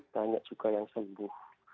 banyak juga yang sembuh